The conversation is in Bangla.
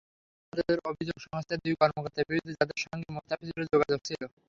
আমাদের অভিযোগ সংস্থার দুই কর্মকর্তার বিরুদ্ধে, যাঁদের সঙ্গে মোস্তাফিজুরের যোগাযোগ ছিল।